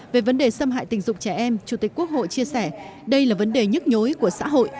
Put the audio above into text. về vấn đề xâm hại tình dục trẻ em chủ tịch quốc hội chia sẻ đây là vấn đề nhức nhối của xã hội